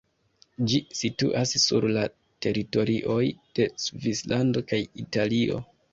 Ĝi situas sur la teritorioj de Svislando kaj Italio.